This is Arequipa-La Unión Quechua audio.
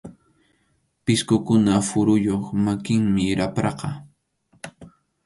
Pisqukunap phuruyuq makinmi rapraqa.